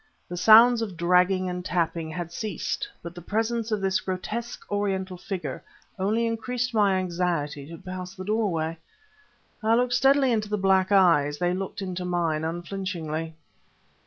The sounds of dragging and tapping had ceased. But the presence of this grotesque Oriental figure only increased my anxiety to pass the doorway. I looked steadily into the black eyes; they looked into mine unflinchingly.